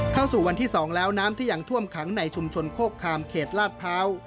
เข้าสู่วันที่๒แล้วน้ำที่ยังท่วมขังในชุมชนโคกคามเขตลาดพร้าว